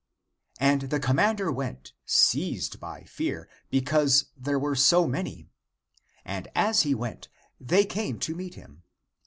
And the commander went, seized by fear, because they were so many. And as he went, they came to meet him.